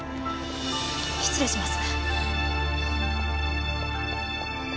失礼します。